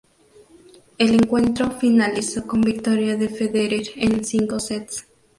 El encuentro finalizó con victoria de Federer en cinco sets.